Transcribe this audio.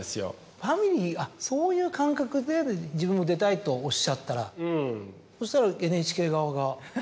ファミリーそういう感覚で自分も出たいとおっしゃったらそしたら。